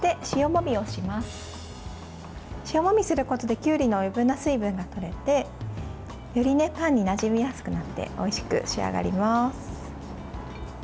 塩もみすることできゅうりの余分な水分が取れてより、パンになじみやすくなっておいしく仕上がります。